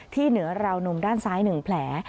เหนือราวนมด้านซ้าย๑แผล